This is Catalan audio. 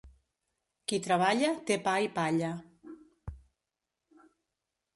Qui treballa té pa i palla.